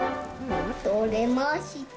とれました。